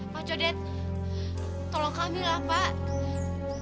pak codet tolong kami lah pak